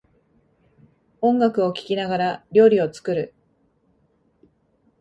音楽を聴きながら料理を作る